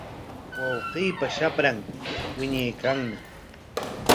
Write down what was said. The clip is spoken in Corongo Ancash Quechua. Wawqiykipa shapran wiñaykanñam.